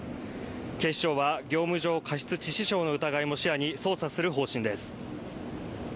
警視庁は業務上過失致死傷の疑いも視野に捜査する方針です。